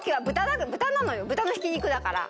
豚のひき肉だから。